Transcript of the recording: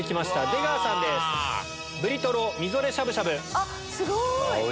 あっすごい！